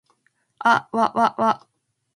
あっわわわ